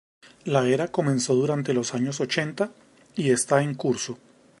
La era comenzó durante los años ochenta y está en curso.